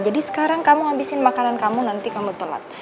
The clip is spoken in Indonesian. jadi sekarang kamu ngabisin makanan kamu nanti kamu telat